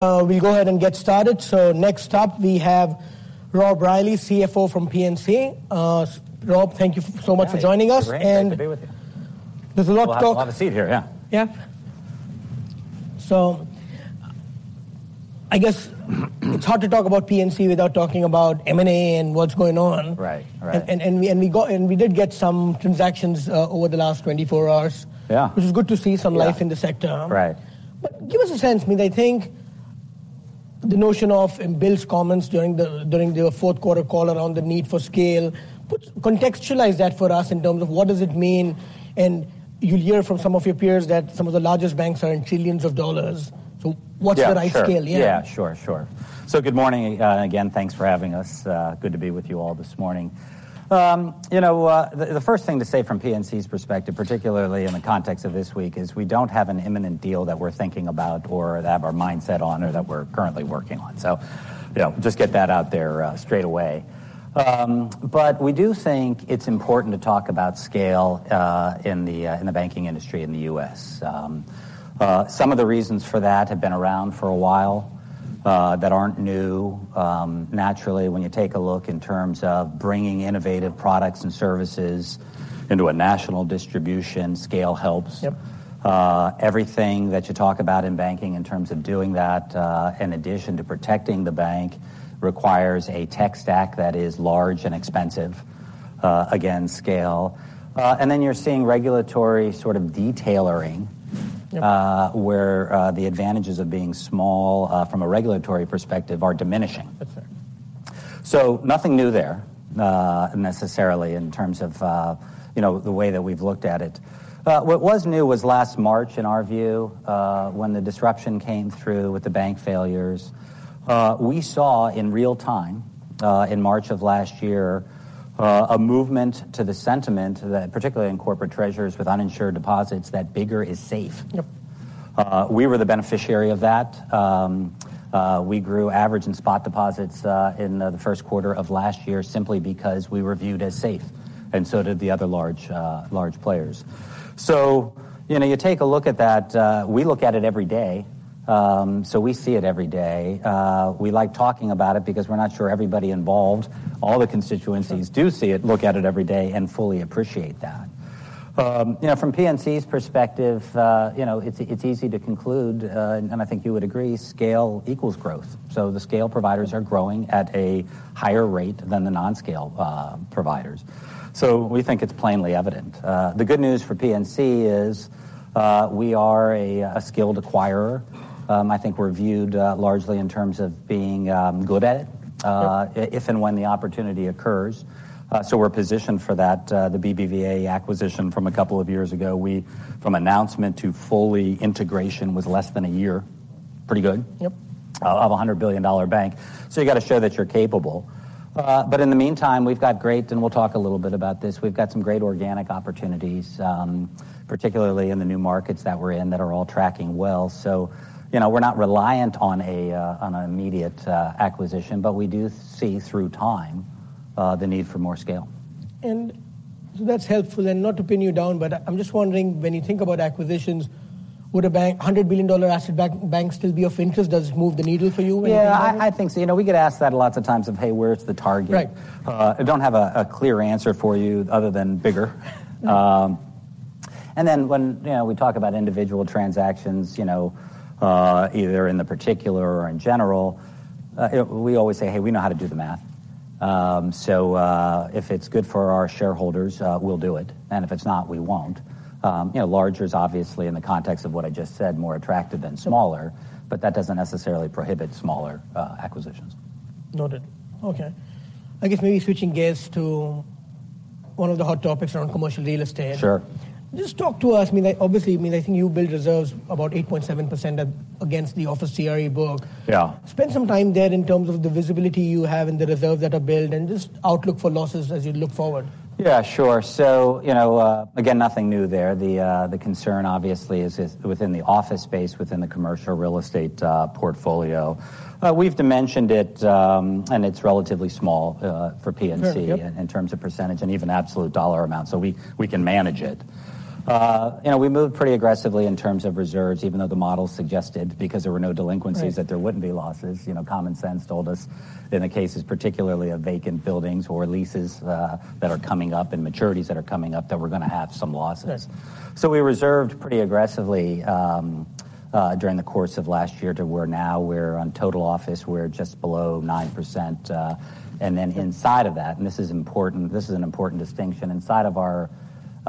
We'll go ahead and get started. So next up we have Rob Reilly, CFO from PNC. Rob, thank you so much for joining us. Great to be with you. There's a lot to talk. I'll have a seat here, yeah. Yeah. I guess it's hard to talk about PNC without talking about M&A and what's going on. Right, right. And we did get some transactions over the last 24 hours. Yeah. Which is good to see some life in the sector. Right. But give us a sense, [when]. I think the notion of Bill's comments during the fourth quarter call around the need for scale puts contextualize that for us in terms of what does it mean. And you'll hear from some of your peers that some of the largest banks are in trillions of dollars. So what's the right scale? Yeah. Sure. Yeah, sure, sure. So good morning, again. Thanks for having us. Good to be with you all this morning. You know, the first thing to say from PNC's perspective, particularly in the context of this week, is we don't have an imminent deal that we're thinking about or that have our mindset on or that we're currently working on. So, you know, just get that out there, straight away. But we do think it's important to talk about scale, in the banking industry in the U.S. Some of the reasons for that have been around for a while, that aren't new. Naturally, when you take a look in terms of bringing innovative products and services into a national distribution, scale helps. Yep. Everything that you talk about in banking in terms of doing that, in addition to protecting the bank, requires a tech stack that is large and expensive, at scale. And then you're seeing regulatory sort of detailing. Yep. Where the advantages of being small, from a regulatory perspective, are diminishing. That's right. So nothing new there, necessarily in terms of, you know, the way that we've looked at it. What was new was last March in our view, when the disruption came through with the bank failures. We saw in real time, in March of last year, a movement to the sentiment that particularly in corporate treasurers with uninsured deposits, that bigger is safe. Yep. We were the beneficiary of that. We grew average and spot deposits in the first quarter of last year simply because we were viewed as safe. And so did the other large, large players. So, you know, you take a look at that, we look at it every day. So we see it every day. We like talking about it because we're not sure everybody involved, all the constituencies do see it, look at it every day and fully appreciate that. You know, from PNC's perspective, you know, it's, it's easy to conclude, and I think you would agree, scale equals growth. So the scale providers are growing at a higher rate than the non-scale providers. So we think it's plainly evident. The good news for PNC is, we are a, a skilled acquirer. I think we're viewed, largely in terms of being, good at it, if and when the opportunity occurs. So we're positioned for that, the BBVA acquisition from a couple of years ago. We from announcement to full integration was less than a year. Pretty good. Yep. Of a $100 billion bank. So you got to show that you're capable. But in the meantime, we've got great and we'll talk a little bit about this. We've got some great organic opportunities, particularly in the new markets that we're in that are all tracking well. So, you know, we're not reliant on a, on an immediate acquisition, but we do see through time, the need for more scale. That's helpful and not to pin you down, but I'm just wondering, when you think about acquisitions, would a $100 billion asset bank still be of interest? Does it move the needle for you? Yeah, I, I think so. You know, we get asked that lots of times of, "Hey, where's the target? Right. I don't have a clear answer for you other than bigger. And then when, you know, we talk about individual transactions, you know, either in the particular or in general, you know, we always say, "Hey, we know how to do the math." So, if it's good for our shareholders, we'll do it. And if it's not, we won't. You know, larger is obviously in the context of what I just said, more attractive than smaller, but that doesn't necessarily prohibit smaller acquisitions. Noted. Okay. I guess maybe switching gears to one of the hot topics around commercial real estate. Sure. Just talk to us. I mean, obviously, I mean, I think you build reserves about 8.7% against the office CRE book. Yeah. Spend some time there in terms of the visibility you have in the reserves that are built and just outlook for losses as you look forward. Yeah, sure. So, you know, again, nothing new there. The concern obviously is within the office space, within the commercial real estate portfolio. We've dimensioned it, and it's relatively small for PNC. Very good. In terms of percentage and even absolute dollar amount. So we, we can manage it. You know, we moved pretty aggressively in terms of reserves even though the model suggested because there were no delinquencies that there wouldn't be losses. You know, common sense told us in the cases particularly of vacant buildings or leases that are coming up and maturities that are coming up that we're going to have some losses. Yes. So we reserved pretty aggressively during the course of last year to where now we're on total office; we're just below 9%. Then inside of that, and this is important, this is an important distinction, inside of our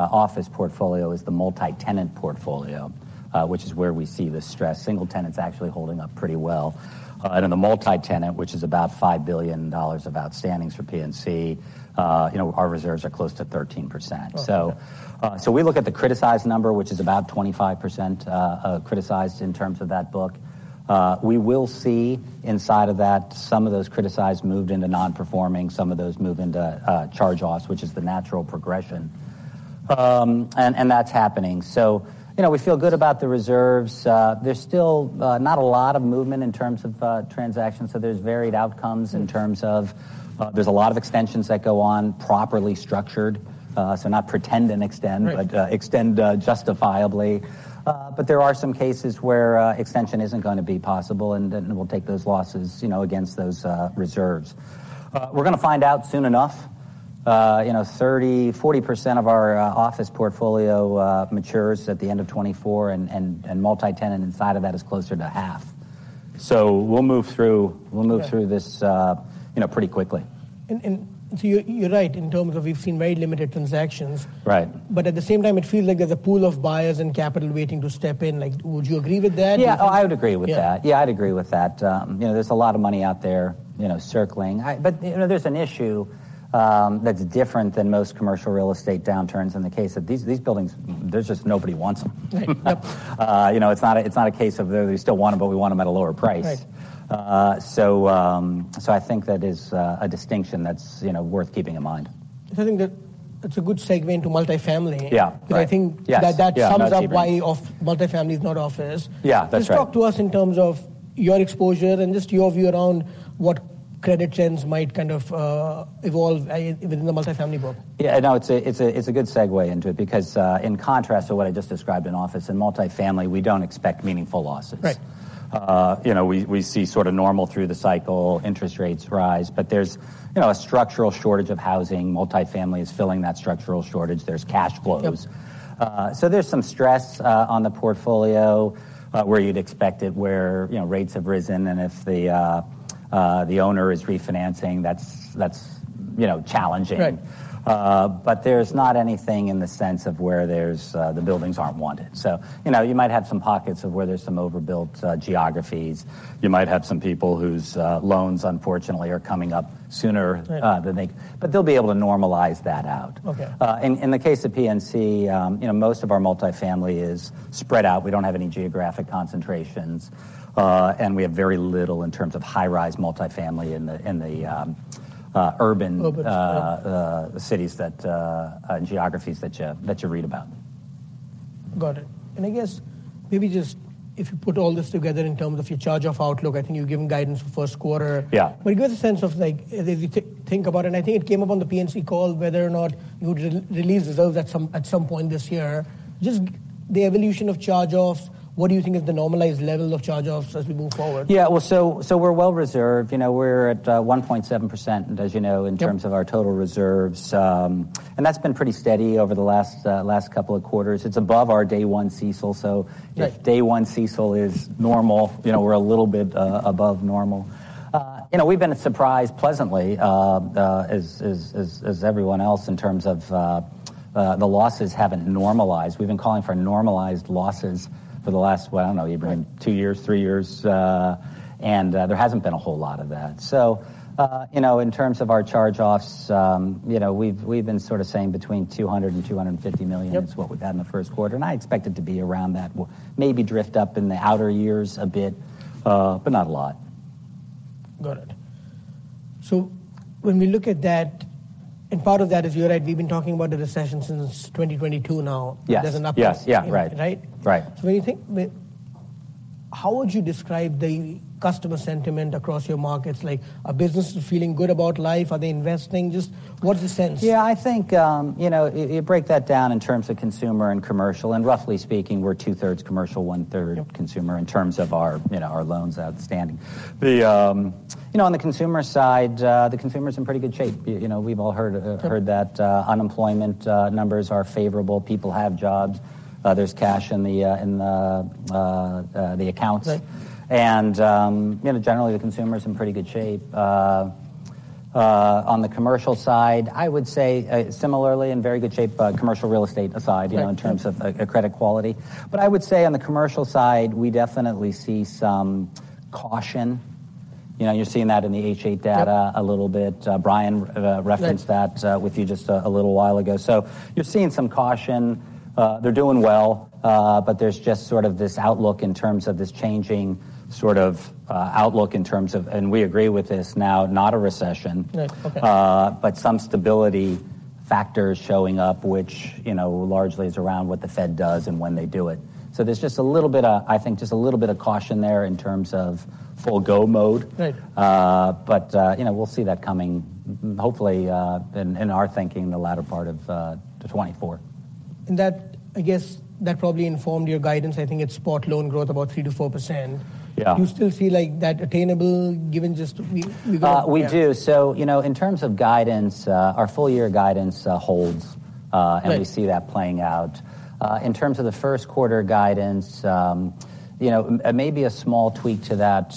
office portfolio is the multi-tenant portfolio, which is where we see this stress. Single tenants actually holding up pretty well. In the multi-tenant, which is about $5 billion of outstandings for PNC, you know, our reserves are close to 13%. So we look at the criticized number, which is about 25%, criticized in terms of that book. We will see inside of that some of those criticized move into non-performing, some of those move into charge-offs, which is the natural progression. And that's happening. So, you know, we feel good about the reserves. There's still not a lot of movement in terms of transactions. So there's varied outcomes in terms of. There's a lot of extensions that go on properly structured. So not pretend and extend, but extend justifiably. But there are some cases where extension isn't going to be possible, and we'll take those losses, you know, against those reserves. We're going to find out soon enough. You know, 30%-40% of our office portfolio matures at the end of 2024, and multi-tenant inside of that is closer to half. So we'll move through. We'll move through this, you know, pretty quickly. So you're right in terms of we've seen very limited transactions. Right. But at the same time, it feels like there's a pool of buyers and capital waiting to step in. Like, would you agree with that? Yeah, I would agree with that. Yeah, I'd agree with that. You know, there's a lot of money out there, you know, circling. I, but, you know, there's an issue, that's different than most commercial real estate downturns in the case that these, these buildings, there's just nobody wants them. Right, yep. You know, it's not a case of they still want them, but we want them at a lower price. Right. So, I think that is a distinction that's, you know, worth keeping in mind. I think that it's a good segue into multifamily. Yeah, right. Because I think that sums up why multifamily is not office. Yeah, that's right. Just talk to us in terms of your exposure and just your view around what credit trends might kind of evolve within the multifamily book. Yeah, no, it's a good segue into it because, in contrast to what I just described in office, in multifamily, we don't expect meaningful losses. Right. You know, we see sort of normal through the cycle, interest rates rise, but there's, you know, a structural shortage of housing. Multifamily is filling that structural shortage. There's cash flows. Yep. There's some stress on the portfolio, where you'd expect it where, you know, rates have risen and if the owner is refinancing, that's, you know, challenging. Right. but there's not anything in the sense of where there's the buildings aren't wanted. So, you know, you might have some pockets of where there's some overbuilt geographies. You might have some people whose loans unfortunately are coming up sooner than they but they'll be able to normalize that out. Okay. In the case of PNC, you know, most of our multifamily is spread out. We don't have any geographic concentrations. We have very little in terms of high-rise multifamily in the urban cities and geographies that you read about. Got it. I guess maybe just if you put all this together in terms of your charge-off outlook, I think you've given guidance for first quarter. Yeah. But give us a sense of, like, if you think about it, and I think it came up on the PNC call whether or not you would release reserves at some point this year. Just the evolution of charge-offs, what do you think is the normalized level of charge-offs as we move forward? Yeah, well, so, so we're well reserved. You know, we're at 1.7% as you know in terms of our total reserves. And that's been pretty steady over the last, last couple of quarters. It's above our day one CECL. So if day one CECL is normal, you know, we're a little bit above normal. You know, we've been surprised pleasantly, as, as, as, as everyone else in terms of the losses haven't normalized. We've been calling for normalized losses for the last, well, I don't know, Ebrahim, two years, three years, and there hasn't been a whole lot of that. So, you know, in terms of our charge-offs, you know, we've, we've been sort of saying between $200 million and $250 million is what we've had in the first quarter. And I expect it to be around that, maybe drift up in the outer years a bit, but not a lot. Got it. So when we look at that, and part of that is you're right, we've been talking about the recession since 2022 now. Yes. There's an upturn. Yes, yeah, right. Right? Right. So when you think, how would you describe the customer sentiment across your markets? Like, are businesses feeling good about life? Are they investing? Just what's the sense? Yeah, I think, you know, you break that down in terms of consumer and commercial. And roughly speaking, we're 2/3 commercial, 1/3 consumer in terms of our, you know, our loans outstanding. The, you know, on the consumer side, the consumer's in pretty good shape. You know, we've all heard that unemployment numbers are favorable. People have jobs. There's cash in the accounts. Right. You know, generally the consumer's in pretty good shape. On the commercial side, I would say similarly in very good shape, commercial real estate aside, you know, in terms of credit quality. But I would say on the commercial side, we definitely see some caution. You know, you're seeing that in the H.8 data a little bit. Bryan referenced that with you just a little while ago. So you're seeing some caution. They're doing well, but there's just sort of this outlook in terms of this changing sort of, outlook in terms of, and we agree with this now, not a recession. Right, okay. But some stability factors showing up, which, you know, largely is around what the Fed does and when they do it. So there's just a little bit of, I think, just a little bit of caution there in terms of full-go mode. Right. You know, we'll see that coming hopefully in our thinking in the latter part of 2024. That, I guess, probably informed your guidance. I think it's spot loan growth about 3%-4%. Yeah. You still feel like that attainable given just we got a quarter? We do. So, you know, in terms of guidance, our full-year guidance holds, and we see that playing out. In terms of the first quarter guidance, you know, maybe a small tweak to that,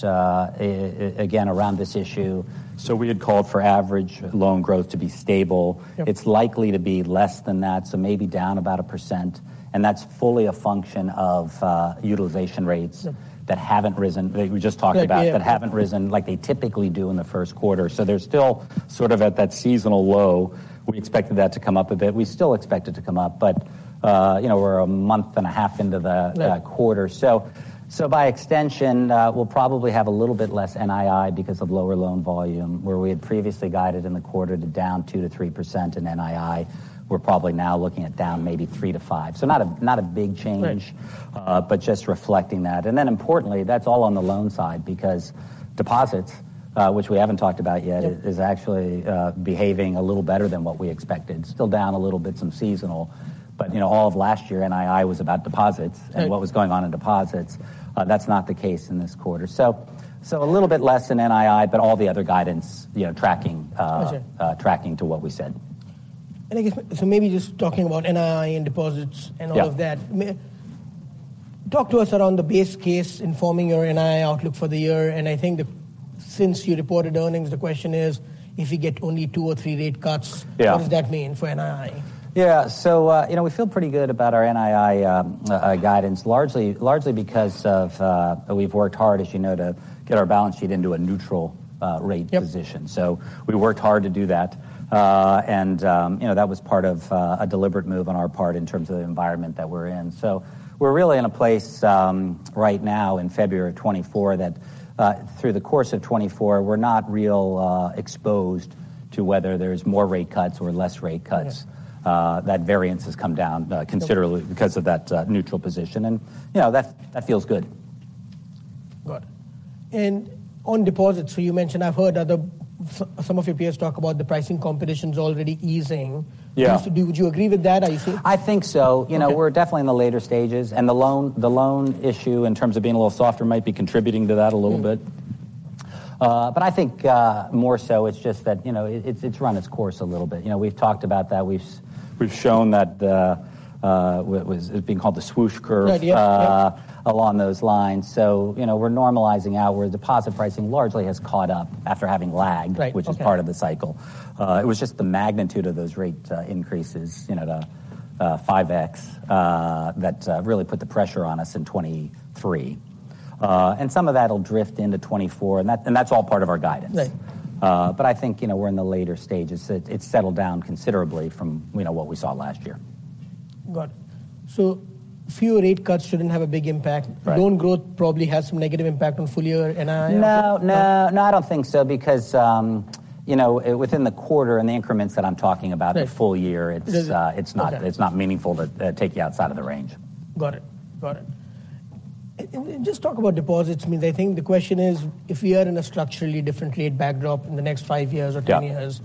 again around this issue. So we had called for average loan growth to be stable. It's likely to be less than that, so maybe down about 1%. And that's fully a function of utilization rates that haven't risen, that we just talked about, that haven't risen like they typically do in the first quarter. So they're still sort of at that seasonal low. We expected that to come up a bit. We still expect it to come up, but, you know, we're a month and a half into the quarter. So, by extension, we'll probably have a little bit less NII because of lower loan volume, where we had previously guided in the quarter to down 2%-3% in NII. We're probably now looking at down maybe 3%-5%. So not a big change, but just reflecting that. And then importantly, that's all on the loan side because deposits, which we haven't talked about yet, is actually behaving a little better than what we expected. Still down a little bit, some seasonal. But, you know, all of last year NII was about deposits and what was going on in deposits. That's not the case in this quarter. So, a little bit less in NII, but all the other guidance, you know, tracking to what we said. I guess, so maybe just talking about NII and deposits and all of that. Yeah. Talk to us around the base case informing your NII outlook for the year. And I think, since you reported earnings, the question is if you get only two or three rate cuts, what does that mean for NII? Yeah, so, you know, we feel pretty good about our NII guidance largely, largely because of, we've worked hard, as you know, to get our balance sheet into a neutral rate position. So we worked hard to do that. And, you know, that was part of a deliberate move on our part in terms of the environment that we're in. So we're really in a place, right now in February of 2024, that through the course of 2024, we're not real exposed to whether there's more rate cuts or less rate cuts. That variance has come down considerably because of that neutral position. And, you know, that, that feels good. Got it. And on deposits, so you mentioned I've heard some of your other peers talk about the pricing competition's already easing. Yeah. Would you agree with that? Are you saying? I think so. You know, we're definitely in the later stages. And the loan, the loan issue in terms of being a little softer might be contributing to that a little bit. But I think, more so, it's just that, you know, it's run its course a little bit. You know, we've talked about that. We've shown that; it was being called the swoosh curve. Right, yeah, yeah. Along those lines. So, you know, we're normalizing out where deposit pricing largely has caught up after having lagged, which is part of the cycle. It was just the magnitude of those rate increases, you know, to 5x, that really put the pressure on us in 2023. And some of that'll drift into 2024 and that, and that's all part of our guidance. Right. But I think, you know, we're in the later stages. It's settled down considerably from, you know, what we saw last year. Got it. So fewer rate cuts shouldn't have a big impact. Loan growth probably has some negative impact on full-year NII outlook. No, no, no, I don't think so because, you know, within the quarter and the increments that I'm talking about in full year, it's, it's not, it's not meaningful to take you outside of the range. Got it, got it. And just talk about deposits. I mean, I think the question is if we are in a structurally different rate backdrop in the next five years or 10 years,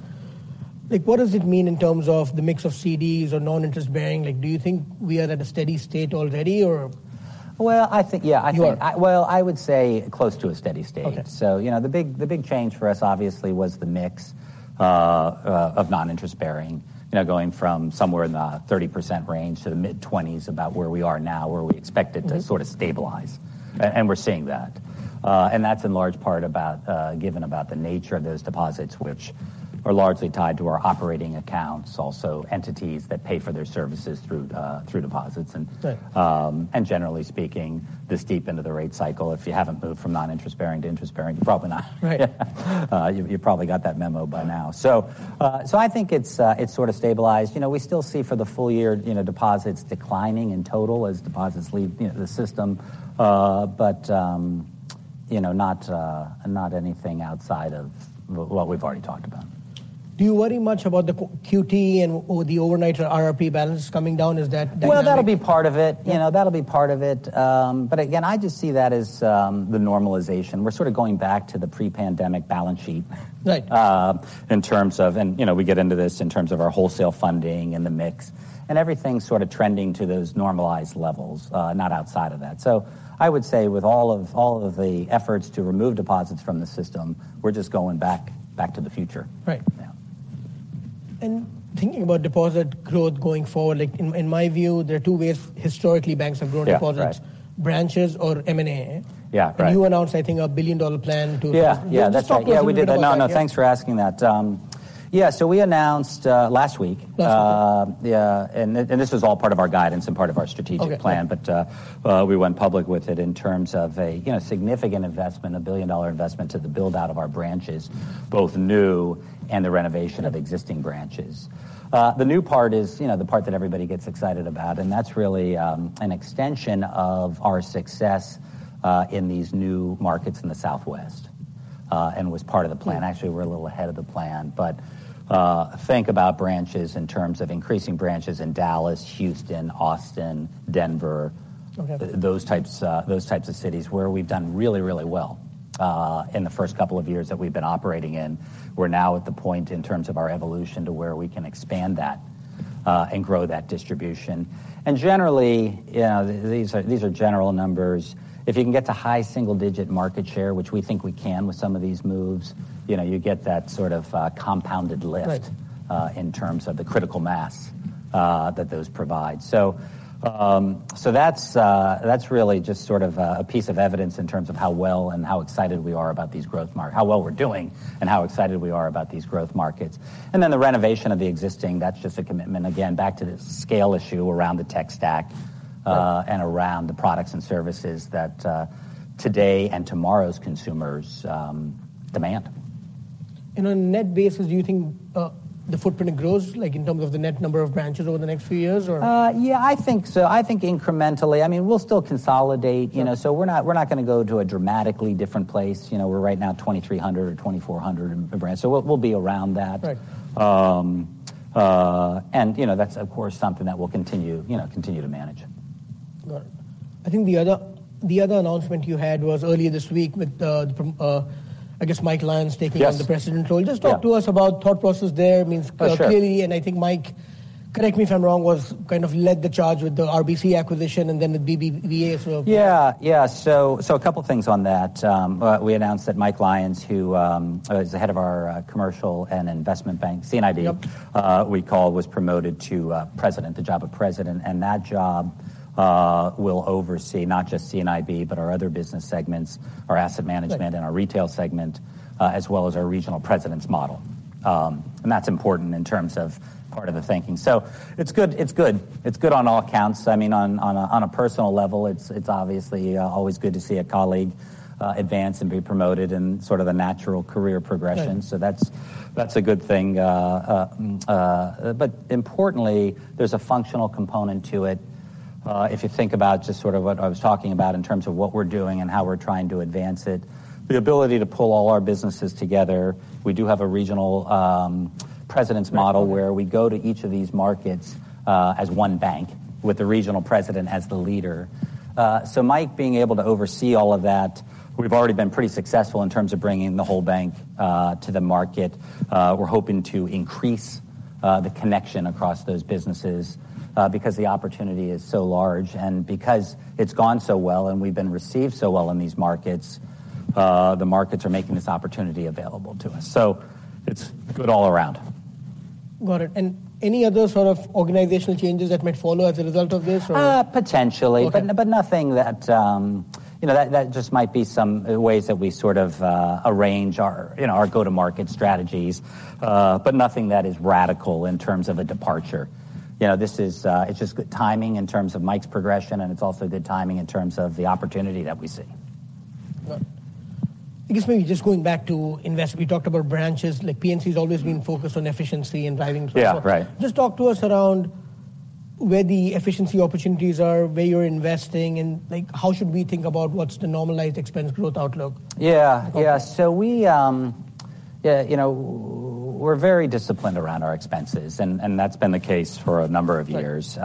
like, what does it mean in terms of the mix of CDs or non-interest bearing? Like, do you think we are at a steady state already or? Well, I think, yeah, I think, well, I would say close to a steady state. So, you know, the big change for us obviously was the mix of non-interest bearing, you know, going from somewhere in the 30% range to the mid-20s about where we are now, where we expect it to sort of stabilize. And we're seeing that. And that's in large part about, given about the nature of those deposits, which are largely tied to our operating accounts, also entities that pay for their services through deposits. And generally speaking, this deep into the rate cycle, if you haven't moved from non-interest bearing to interest bearing, you're probably not. Right. You've probably got that memo by now. So, so I think it's, it's sort of stabilized. You know, we still see for the full year, you know, deposits declining in total as deposits leave, you know, the system. But, you know, not, not anything outside of what we've already talked about. Do you worry much about the QT and the overnight RRP balance coming down? Is that, that kind of? Well, that'll be part of it. You know, that'll be part of it. But again, I just see that as, the normalization. We're sort of going back to the pre-pandemic balance sheet. Right. In terms of, and you know, we get into this in terms of our wholesale funding and the mix and everything sort of trending to those normalized levels, not outside of that. So I would say with all of, all of the efforts to remove deposits from the system, we're just going back, back to the future. Right. Yeah. Thinking about deposit growth going forward, like, in my view, there are two ways historically banks have grown deposits. Yeah, right. Branches or M&A. Yeah, right. You announced, I think, a billion-dollar plan to. Yeah, yeah, that's right. Yeah, we did that. No, no, thanks for asking that. Yeah, so we announced last week. Last week. Yeah, and this was all part of our guidance and part of our strategic plan, but we went public with it in terms of a, you know, significant investment, a billion-dollar investment to the build-out of our branches, both new and the renovation of existing branches. The new part is, you know, the part that everybody gets excited about, and that's really an extension of our success in these new markets in the Southwest, and was part of the plan. Actually, we're a little ahead of the plan, but think about branches in terms of increasing branches in Dallas, Houston, Austin, Denver, those types, those types of cities where we've done really, really well. In the first couple of years that we've been operating in, we're now at the point in terms of our evolution to where we can expand that, and grow that distribution. Generally, you know, these are, these are general numbers. If you can get to high single-digit market share, which we think we can with some of these moves, you know, you get that sort of, compounded lift, in terms of the critical mass, that those provide. So, so that's, that's really just sort of a piece of evidence in terms of how well and how excited we are about these growth markets, how well we're doing and how excited we are about these growth markets. Then the renovation of the existing, that's just a commitment. Again, back to the scale issue around the tech stack, and around the products and services that, today and tomorrow's consumers, demand. On net basis, do you think the footprint grows, like in terms of the net number of branches over the next few years or? Yeah, I think so. I think incrementally. I mean, we'll still consolidate, you know, so we're not, we're not going to go to a dramatically different place. You know, we're right now 2,300 or 2,400 branches. So we'll, we'll be around that. Right. You know, that's of course something that we'll continue, you know, continue to manage. Got it. I think the other announcement you had was earlier this week with the, I guess Mike Lyons taking on the president role. Just talk to us about thought process there. It means clearly, and I think Mike, correct me if I'm wrong, was kind of led the charge with the RBC acquisition and then with BBVA sort of. Yeah, yeah. So, a couple of things on that. We announced that Mike Lyons, who is the head of our commercial and investment bank, C&IB we call, was promoted to president, the job of president. And that job will oversee not just C&IB, but our other business segments, our asset management and our retail segment, as well as our regional president's model. And that's important in terms of part of the thinking. So it's good, it's good. It's good on all counts. I mean, on a personal level, it's obviously always good to see a colleague advance and be promoted in sort of the natural career progression. So that's a good thing. But importantly, there's a functional component to it. If you think about just sort of what I was talking about in terms of what we're doing and how we're trying to advance it, the ability to pull all our businesses together. We do have a regional president's model where we go to each of these markets as one bank with the regional president as the leader. So Mike, being able to oversee all of that, we've already been pretty successful in terms of bringing the whole bank to the market. We're hoping to increase the connection across those businesses because the opportunity is so large and because it's gone so well and we've been received so well in these markets. The markets are making this opportunity available to us. So it's good all around. Got it. Any other sort of organizational changes that might follow as a result of this or? Potentially, but nothing that, you know, that just might be some ways that we sort of arrange our, you know, our go-to-market strategies, but nothing that is radical in terms of a departure. You know, this is, it's just good timing in terms of Mike's progression and it's also good timing in terms of the opportunity that we see. Got it. I guess maybe just going back to investment, we talked about branches. Like, PNC has always been focused on efficiency and driving growth. Yeah, right. Just talk to us around where the efficiency opportunities are, where you're investing, and like, how should we think about what's the normalized expense growth outlook? Yeah, yeah. So we, yeah, you know, we're very disciplined around our expenses and, and that's been the case for a number of years.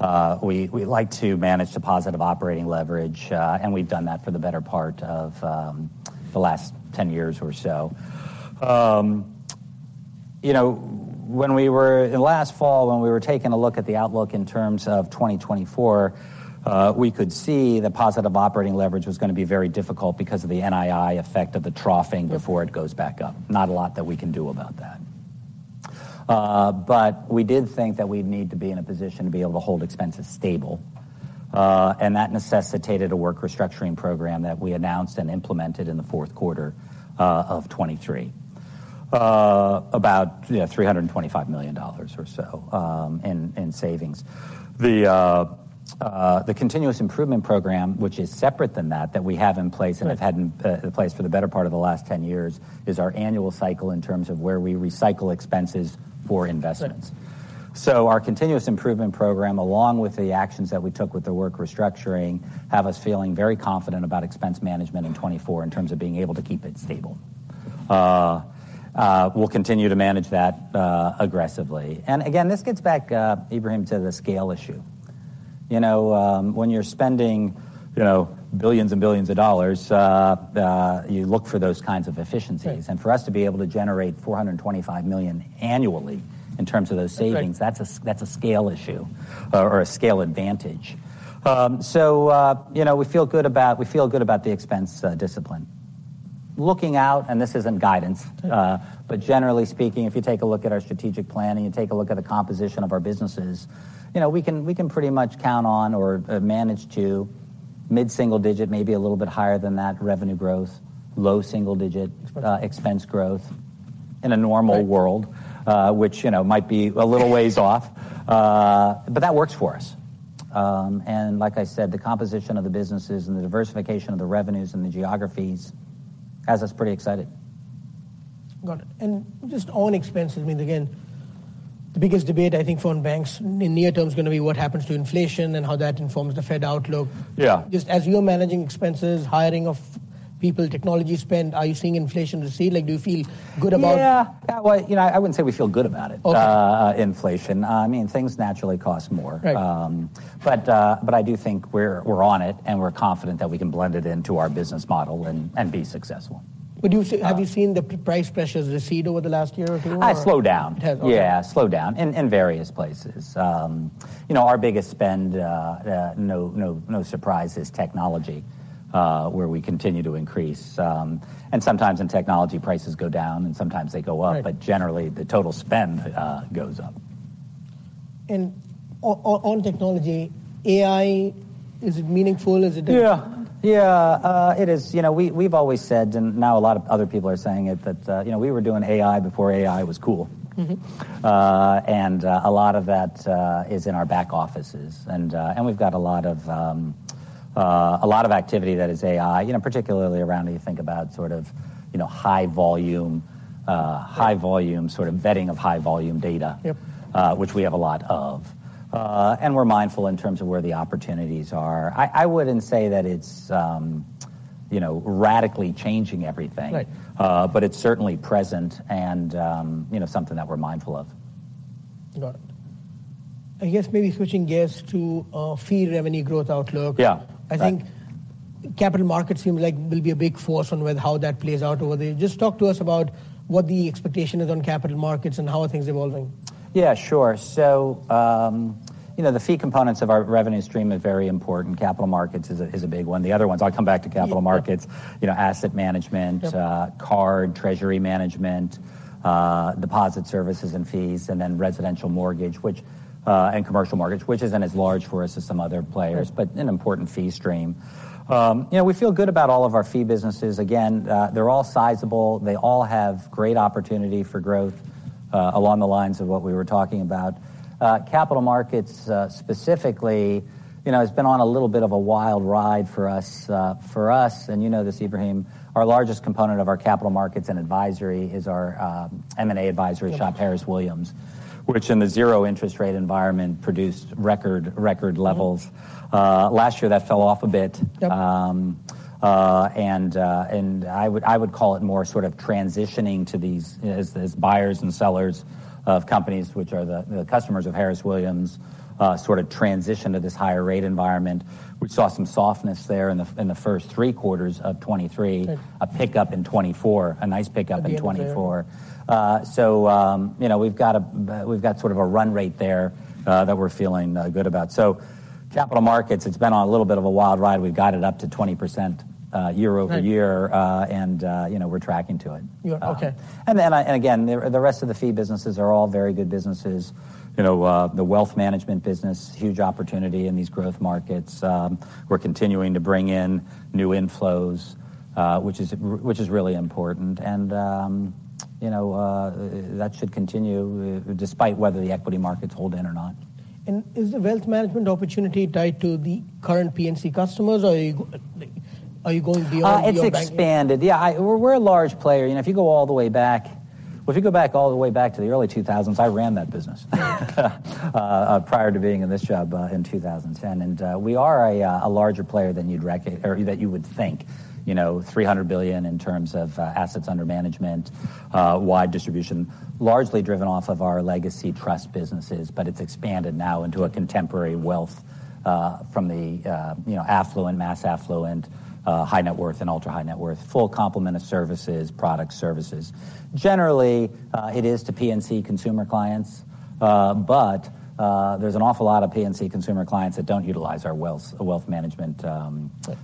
We like to manage the positive operating leverage, and we've done that for the better part of the last 10 years or so. You know, when we were in last fall, when we were taking a look at the outlook in terms of 2024, we could see the positive operating leverage was going to be very difficult because of the NII effect of the troughing before it goes back up. Not a lot that we can do about that. But we did think that we'd need to be in a position to be able to hold expenses stable. And that necessitated a work restructuring program that we announced and implemented in the fourth quarter of 2023, about, you know, $325 million or so in savings. The continuous improvement program, which is separate than that, that we have in place and have had in place for the better part of the last 10 years, is our annual cycle in terms of where we recycle expenses for investments. So our continuous improvement program, along with the actions that we took with the work restructuring, have us feeling very confident about expense management in 2024 in terms of being able to keep it stable. We'll continue to manage that aggressively. And again, this gets back, Ebrahim, to the scale issue. You know, when you're spending, you know, billions and billions of dollars, you look for those kinds of efficiencies. For us to be able to generate $425 million annually in terms of those savings, that's a, that's a scale issue or a scale advantage. So, you know, we feel good about, we feel good about the expense discipline. Looking out, and this isn't guidance, but generally speaking, if you take a look at our strategic plan and you take a look at the composition of our businesses, you know, we can, we can pretty much count on or manage to mid-single digit, maybe a little bit higher than that, revenue growth, low single digit, expense growth in a normal world, which, you know, might be a little ways off. But that works for us. And like I said, the composition of the businesses and the diversification of the revenues and the geographies has us pretty excited. Got it. Just on expenses, I mean, again, the biggest debate I think for banks in near term is going to be what happens to inflation and how that informs the Fed outlook. Yeah. Just as you're managing expenses, hiring of people, technology spend, are you seeing inflation recede? Like, do you feel good about? Yeah, yeah, well, you know, I wouldn't say we feel good about it, inflation. I mean, things naturally cost more. Right. But I do think we're on it and we're confident that we can blend it into our business model and be successful. But do you see, have you seen the price pressures recede over the last year or two or? I slow down. It has. Okay. Yeah, slow down in various places. You know, our biggest spend, no, no, no surprise is technology, where we continue to increase. And sometimes in technology prices go down and sometimes they go up, but generally the total spend goes up. And on technology, AI, is it meaningful? Is it? Yeah, yeah, it is. You know, we've always said, and now a lot of other people are saying it, that, you know, we were doing AI before AI was cool. Mm-hmm. A lot of that is in our back offices. And we've got a lot of activity that is AI, you know, particularly around, if you think about sort of, you know, high volume sort of vetting of high volume data. Yep. Which we have a lot of. And we're mindful in terms of where the opportunities are. I wouldn't say that it's, you know, radically changing everything. Right. It's certainly present and, you know, something that we're mindful of. Got it. I guess maybe switching gears to fee revenue growth outlook. Yeah. I think capital markets seem like will be a big force on whether, how that plays out over there. Just talk to us about what the expectation is on capital markets and how are things evolving. Yeah, sure. So, you know, the fee components of our revenue stream are very important. Capital markets is a, is a big one. The other ones, I'll come back to capital markets, you know, asset management, card, treasury management, deposit services and fees, and then residential mortgage, which, and commercial mortgage, which isn't as large for us as some other players, but an important fee stream. You know, we feel good about all of our fee businesses. Again, they're all sizable. They all have great opportunity for growth, along the lines of what we were talking about. Capital markets, specifically, you know, has been on a little bit of a wild ride for us, for us, and you know this, Ebrahim, our largest component of our capital markets and advisory is our, M&A advisory shop, Harris Williams, which in the zero interest rate environment produced record, record levels. Last year that fell off a bit. Yep. I would call it more sort of transitioning to these, as buyers and sellers of companies, which are the customers of Harris Williams, sort of transitioned to this higher rate environment. We saw some softness there in the first three quarters of 2023, a pickup in 2024, a nice pickup in 2024. So, you know, we've got a, we've got sort of a run rate there, that we're feeling good about. So capital markets, it's been on a little bit of a wild ride. We've got it up to 20% year-over-year, and, you know, we're tracking to it. You are, okay. And again, the rest of the fee businesses are all very good businesses. You know, the wealth management business, huge opportunity in these growth markets. We're continuing to bring in new inflows, which is really important. And, you know, that should continue despite whether the equity markets hold in or not. Is the wealth management opportunity tied to the current PNC customers or are you, are you going beyond your? It's expanded. Yeah, we're a large player. You know, if you go all the way back, well, if you go back all the way back to the early 2000s, I ran that business, prior to being in this job, in 2010. We are a larger player than you'd reckon or that you would think, you know, $300 billion in terms of assets under management, wide distribution, largely driven off of our legacy trust businesses, but it's expanded now into a contemporary wealth, from the, you know, affluent, mass affluent, high net worth and ultra high net worth, full complement of services, products, services. Generally, it is to PNC consumer clients, but there's an awful lot of PNC consumer clients that don't utilize our wealth management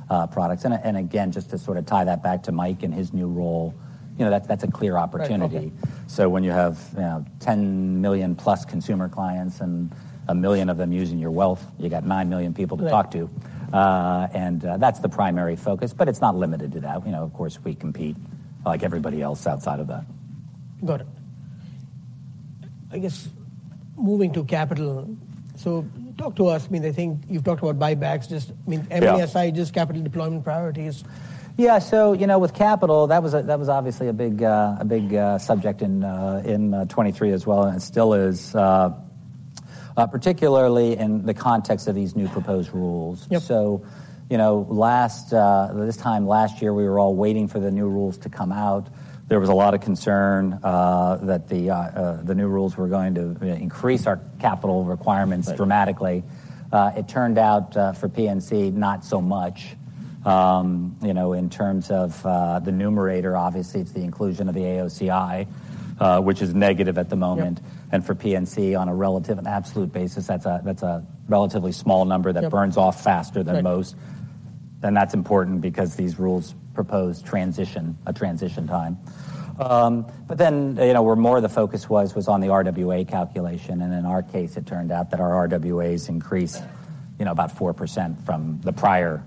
products. And again, just to sort of tie that back to Mike and his new role, you know, that's a clear opportunity. So when you have, you know, 10 million+ consumer clients and 1 million of them using your wealth, you got 9 million people to talk to. And that's the primary focus, but it's not limited to that. You know, of course we compete like everybody else outside of that. Got it. I guess moving to capital, so talk to us, I mean, I think you've talked about buybacks, just, I mean, M&A aside, just capital deployment priorities. Yeah, so, you know, with capital, that was obviously a big subject in 2023 as well and it still is, particularly in the context of these new proposed rules. Yep. So, you know, last this time last year we were all waiting for the new rules to come out. There was a lot of concern that the new rules were going to increase our capital requirements dramatically. It turned out, for PNC not so much. You know, in terms of the numerator, obviously it's the inclusion of the AOCI, which is negative at the moment. And for PNC on a relative and absolute basis, that's a relatively small number that burns off faster than most. And that's important because these rules propose transition, a transition time. But then, you know, where more of the focus was on the RWA calculation and in our case it turned out that our RWAs increased, you know, about 4% from the prior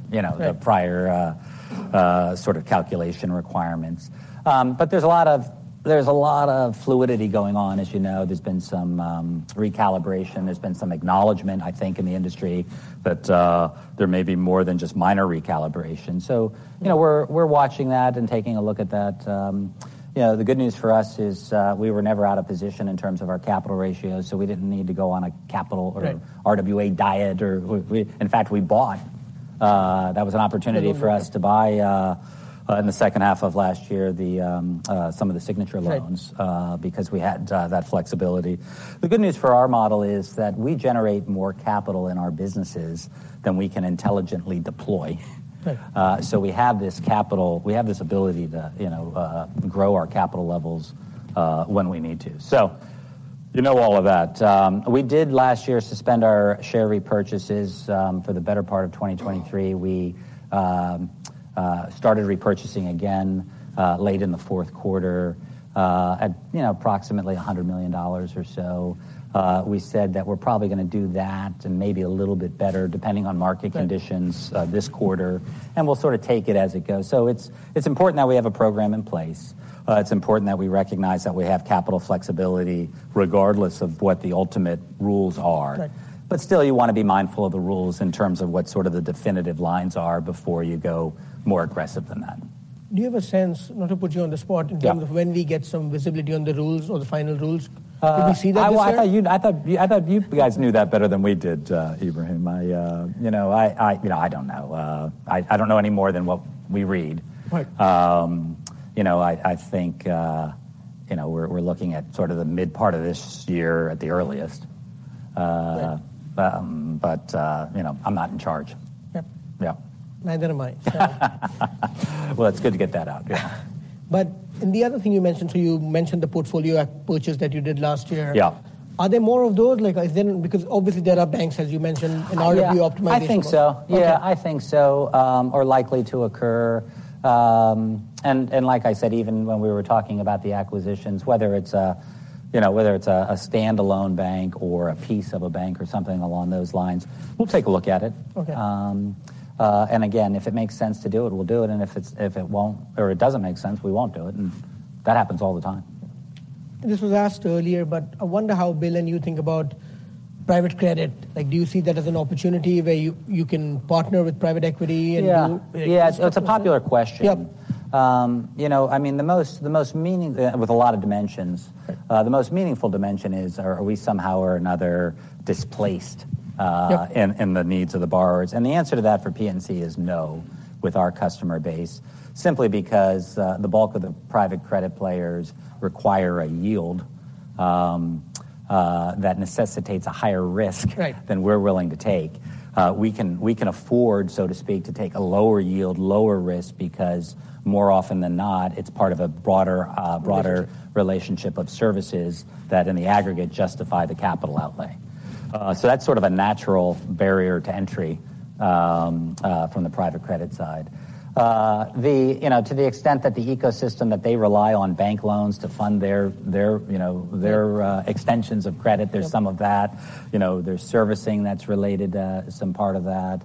sort of calculation requirements. But there's a lot of fluidity going on as you know. There's been some recalibration. There's been some acknowledgment, I think, in the industry that there may be more than just minor recalibration. So, you know, we're watching that and taking a look at that. You know, the good news for us is we were never out of position in terms of our capital ratios, so we didn't need to go on a capital or RWA diet. In fact, we bought. That was an opportunity for us to buy, in the second half of last year, some of the Signature loans, because we had that flexibility. The good news for our model is that we generate more capital in our businesses than we can intelligently deploy. Right. So we have this capital, we have this ability to, you know, grow our capital levels, when we need to. So, you know all of that. We did last year suspend our share repurchases, for the better part of 2023. We started repurchasing again, late in the fourth quarter, at, you know, approximately $100 million or so. We said that we're probably going to do that and maybe a little bit better depending on market conditions, this quarter and we'll sort of take it as it goes. So it's important that we have a program in place. It's important that we recognize that we have capital flexibility regardless of what the ultimate rules are. Right. But still you want to be mindful of the rules in terms of what sort of the definitive lines are before you go more aggressive than that. Do you have a sense, not to put you on the spot, in terms of when we get some visibility on the rules or the final rules, do we see that this year? I thought you guys knew that better than we did, Ebrahim. I, you know, I don't know. I don't know any more than what we read. Right. You know, I think, you know, we're looking at sort of the mid part of this year at the earliest. But you know, I'm not in charge. Yep. Yeah. Neither am I, so. Well, it's good to get that out, yeah. But in the other thing you mentioned, so you mentioned the portfolio purchase that you did last year. Yeah. Are there more of those? Like, is there, because obviously there are banks, as you mentioned, in order to be optimized? Yeah, I think so. Yeah, I think so, are likely to occur. And, and like I said, even when we were talking about the acquisitions, whether it's a, you know, whether it's a, a standalone bank or a piece of a bank or something along those lines, we'll take a look at it. Okay. And again, if it makes sense to do it, we'll do it. And if it's, if it won't or it doesn't make sense, we won't do it. And that happens all the time. This was asked earlier, but I wonder how Bill and you think about private credit. Like, do you see that as an opportunity where you can partner with private equity and do? Yeah, yeah, it's a popular question. Yep. You know, I mean, the most meaningful dimension is, are we somehow or another displaced, in the needs of the borrowers? And the answer to that for PNC is no with our customer base, simply because, the bulk of the private credit players require a yield, that necessitates a higher risk than we're willing to take. We can, we can afford, so to speak, to take a lower yield, lower risk because more often than not it's part of a broader, broader relationship of services that in the aggregate justify the capital outlay. So that's sort of a natural barrier to entry, from the private credit side. You know, to the extent that the ecosystem that they rely on bank loans to fund their, their, you know, their, extensions of credit, there's some of that. You know, there's servicing that's related, some part of that.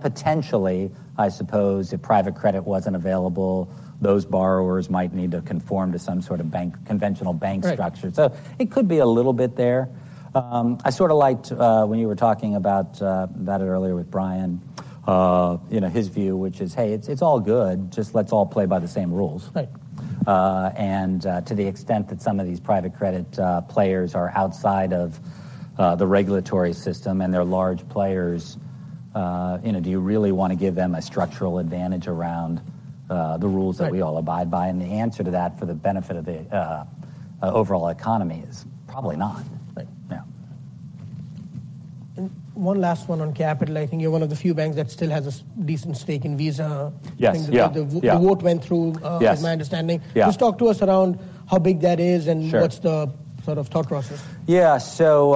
Potentially, I suppose, if private credit wasn't available, those borrowers might need to conform to some sort of bank, conventional bank structure. So it could be a little bit there. I sort of liked, when you were talking about, about it earlier with Brian, you know, his view, which is, hey, it's, it's all good, just let's all play by the same rules. Right. And, to the extent that some of these private credit players are outside of the regulatory system and they're large players, you know, do you really want to give them a structural advantage around the rules that we all abide by? And the answer to that for the benefit of the overall economy is probably not. Right. Yeah. One last one on capital. I think you're one of the few banks that still has a decent stake in Visa. Yes, yep. I think the vote went through, as my understanding. Yes, yeah. Just talk to us around how big that is and what's the sort of thought process. Yeah, so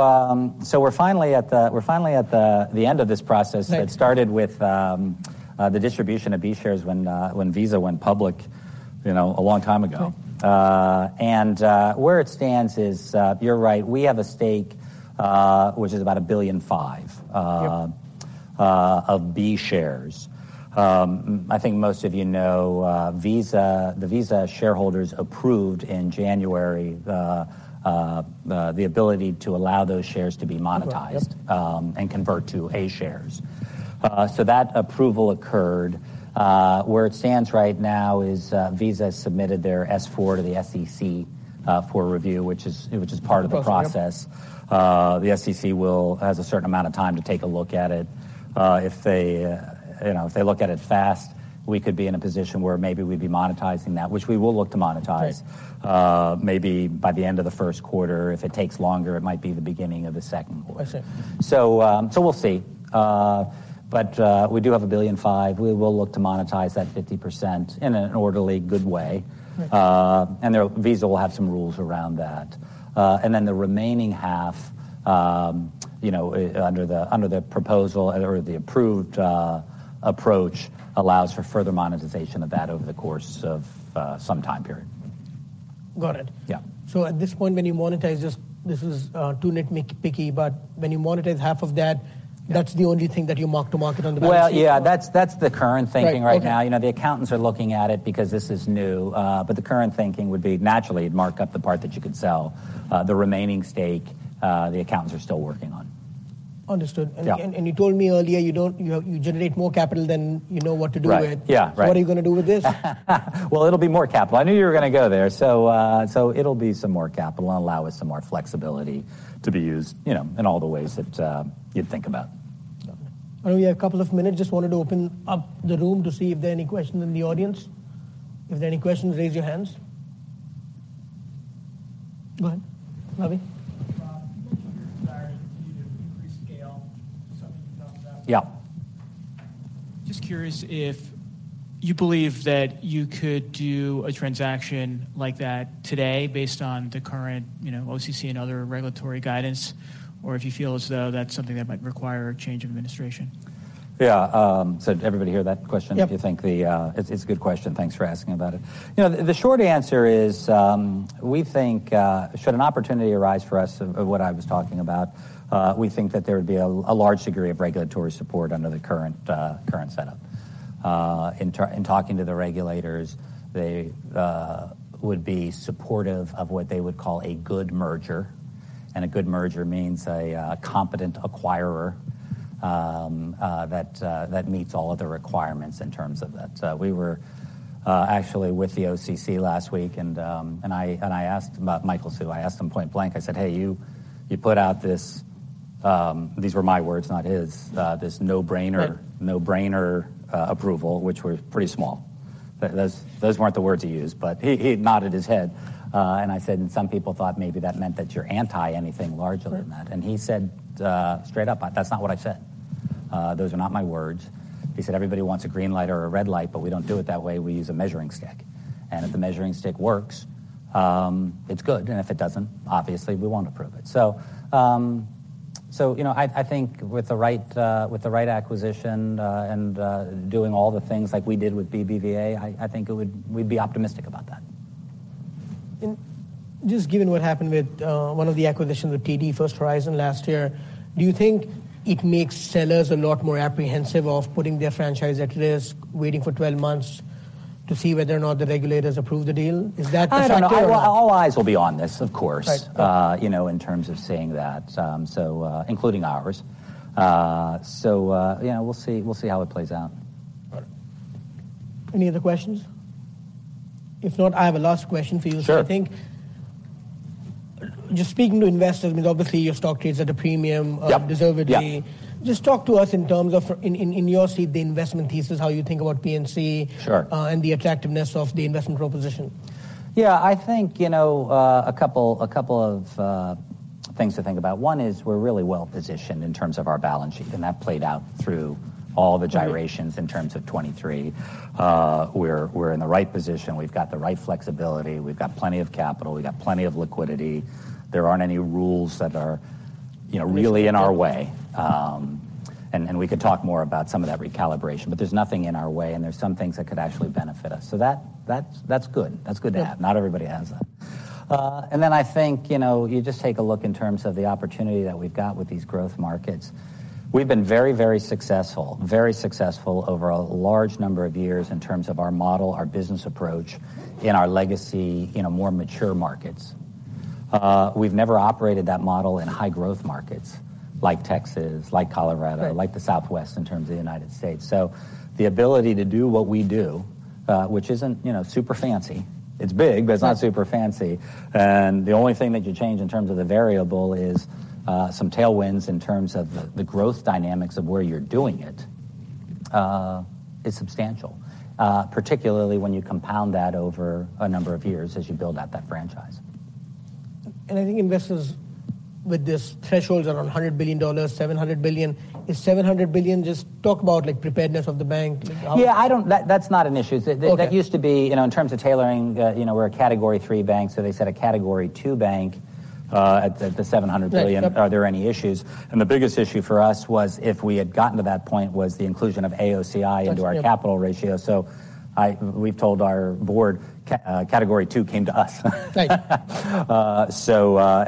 we're finally at the end of this process that started with the distribution of B shares when Visa went public, you know, a long time ago. Where it stands is, you're right, we have a stake, which is about $1.5 billion, of B shares. I think most of you know, Visa, the Visa shareholders approved in January the ability to allow those shares to be monetized and convert to A shares. So that approval occurred. Where it stands right now is, Visa submitted their S-4 to the SEC for review, which is part of the process. The SEC has a certain amount of time to take a look at it. If they, you know, if they look at it fast, we could be in a position where maybe we'd be monetizing that, which we will look to monetize. Maybe by the end of the first quarter, if it takes longer, it might be the beginning of the second quarter. I see. So we'll see. But we do have $1.5 billion. We will look to monetize that 50% in an orderly good way. And there'll, Visa will have some rules around that. And then the remaining half, you know, under the proposal or the approved approach allows for further monetization of that over the course of some time period. Got it. Yeah. So at this point when you monetize, just, this is, too nitpicky, but when you monetize half of that, that's the only thing that you mark to market on the balance sheet? Well, yeah, that's, that's the current thinking right now. You know, the accountants are looking at it because this is new, but the current thinking would be naturally it'd mark up the part that you could sell. The remaining stake, the accountants are still working on. Understood. And you told me earlier you don't, you have, you generate more capital than you know what to do with. Right, yeah, right. So what are you going to do with this? Well, it'll be more capital. I knew you were going to go there. So, so it'll be some more capital and allow us some more flexibility to be used, you know, in all the ways that, you'd think about. I know we have a couple of minutes. Just wanted to open up the room to see if there are any questions in the audience. If there are any questions, raise your hands. Go ahead, Ravi. Rob, you mentioned your desire to continue to increase scale. Something you've talked about. Yeah. Just curious if you believe that you could do a transaction like that today based on the current, you know, OCC and other regulatory guidance, or if you feel as though that's something that might require a change of administration? Yeah, so did everybody hear that question? Yep. If you think it's a good question. Thanks for asking about it. You know, the short answer is, we think, should an opportunity arise for us of what I was talking about, we think that there would be a large degree of regulatory support under the current setup. In talking to the regulators, they would be supportive of what they would call a good merger. And a good merger means a competent acquirer, that meets all of the requirements in terms of that. So we were actually with the OCC last week and I asked Michael Hsu, I asked him point blank. I said, "Hey, you put out this, these were my words, not his, this no-brainer approval, which were pretty small." Those weren't the words he used, but he nodded his head. And I said, "And some people thought maybe that meant that you're anti anything larger than that." And he said, straight up, "That's not what I said. Those are not my words." He said, "Everybody wants a green light or a red light, but we don't do it that way. We use a measuring stick. And if the measuring stick works, it's good. And if it doesn't, obviously we won't approve it." So, you know, I think with the right acquisition, and doing all the things like we did with BBVA, I think we'd be optimistic about that. Just given what happened with one of the acquisitions with TD First Horizon last year, do you think it makes sellers a lot more apprehensive of putting their franchise at risk, waiting for 12 months to see whether or not the regulators approve the deal? Is that a factor or? I don't know. All eyes will be on this, of course. Right. You know, in terms of saying that, so including ours. So, you know, we'll see, we'll see how it plays out. Got it. Any other questions? If not, I have a last question for you, I think. Sure. Just speaking to investors, I mean, obviously your stock trades at a premium, deservedly. Yeah. Just talk to us in terms of, in your seat, the investment thesis, how you think about PNC. Sure. and the attractiveness of the investment proposition. Yeah, I think, you know, a couple of things to think about. One is we're really well positioned in terms of our balance sheet and that played out through all the gyrations in terms of 2023. We're in the right position. We've got the right flexibility. We've got plenty of capital. We've got plenty of liquidity. There aren't any rules that are, you know, really in our way. And we could talk more about some of that recalibration, but there's nothing in our way and there's some things that could actually benefit us. So that's good. That's good to have. Not everybody has that. And then I think, you know, you just take a look in terms of the opportunity that we've got with these growth markets. We've been very, very successful, very successful over a large number of years in terms of our model, our business approach in our legacy, you know, more mature markets. We've never operated that model in high growth markets like Texas, like Colorado, like the Southwest in terms of the United States. So the ability to do what we do, which isn't, you know, super fancy, it's big, but it's not super fancy. And the only thing that you change in terms of the variable is, some tailwinds in terms of the growth dynamics of where you're doing it, is substantial, particularly when you compound that over a number of years as you build out that franchise. I think investors with these thresholds around $100 billion, $700 billion. Is $700 billion just talk about like preparedness of the bank, like how? Yeah, I don't, that, that's not an issue. Okay. That used to be, you know, in terms of tailoring, you know, we're a category III bank, so they set a category II bank at the $700 billion. Are there any issues? And the biggest issue for us was if we had gotten to that point was the inclusion of AOCI into our capital ratio. So, we've told our board, category II came to us. Right.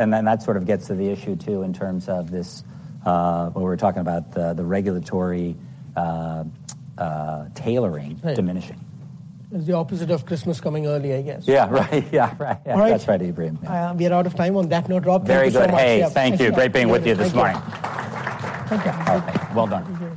And then that sort of gets to the issue too in terms of this, what we were talking about, the regulatory tailoring diminishing. Right. It's the opposite of Christmas coming early, I guess. Yeah, right, yeah, right, yeah. That's right, Ebrahim. All right. We are out of time on that note. Rob, thank you so much. Very good. Hey, thank you. Great being with you this morning. Thank you. All right. Well done.